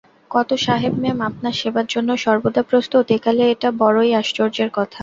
কত সাহেব-মেম আপনার সেবার জন্য সর্বদা প্রস্তুত! একালে এটা বড়ই আশ্চর্যের কথা।